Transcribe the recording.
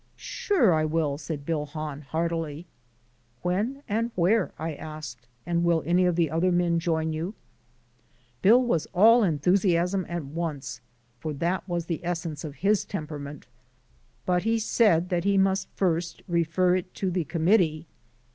"Sure, I will," said Bill Hahn heartily. "When and where?" I asked, "and will any of the other men join you?" Bill was all enthusiasm at once, for that was the essence of his temperament, but he said that he must first refer it to the committee.